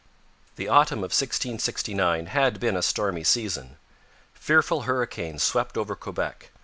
The autumn of 1669 had been a stormy season. Fearful hurricanes swept over Quebec.